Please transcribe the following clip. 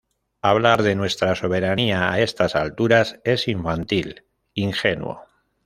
Hablar de nuestra soberanía a estas alturas es infantil, ingenuo.